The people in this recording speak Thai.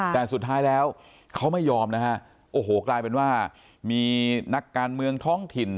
แต่สุดท้ายแล้วเขาไม่ยอมนะฮะโอ้โหกลายเป็นว่ามีนักการเมืองท้องถิ่น